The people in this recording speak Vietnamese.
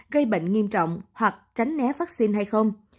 gây bệnh nghiêm trọng hoặc tránh né vaccine hay không